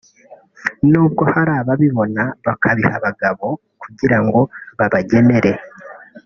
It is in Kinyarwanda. n’ubwo hari ababibona bakabiha abagabo kugira ngo babagenere